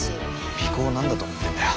尾行を何だと思ってんだよ。